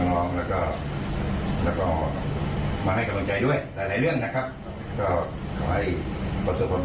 น้องและก็มาให้กำลังใจด้วย